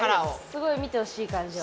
すごい見てほしい感じは。